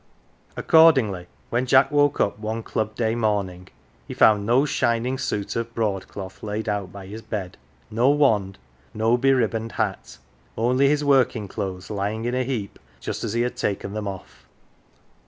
Accordingly, when Jack woke up one Club day morning, he found no shining suit of broadcloth laid out by his bed, no wand, no be ribboned hat only his working clothes lying in a heap just as he had taken them off.